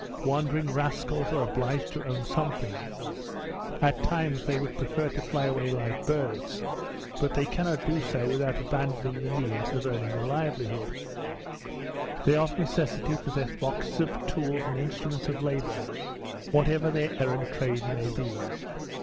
Wandering rascals are obliged to own something; at times they would prefer to fly away like birds, but they cannot do so without abandoning the means of earning a livelihood. They of necessity possess boxes of tools and instruments of labour, whatever their errant trade may be.